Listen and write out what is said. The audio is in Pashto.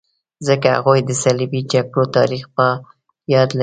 ځکه هغوی د صلیبي جګړو تاریخ په یاد لري.